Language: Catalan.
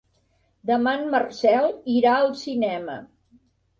Demà en Marcel irà al cinema.